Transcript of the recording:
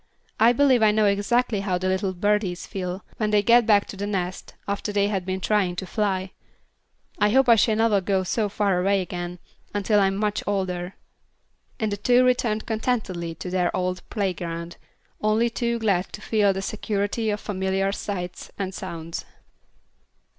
I believe I know exactly how the little birdies feel when they get back to the nest, after they have been trying to fly. I hope I shall never go so far away again, until I am much older." And the two returned contentedly to their old playground, only too glad to feel the security of familiar sights and sounds.